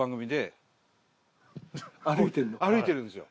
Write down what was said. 歩いてるんですよ。